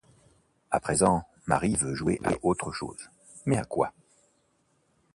A présent, Marie veut jouer à autre chose ; mais à quoi ?